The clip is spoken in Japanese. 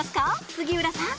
杉浦さん。